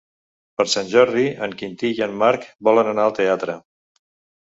Per Sant Jordi en Quintí i en Marc volen anar al teatre.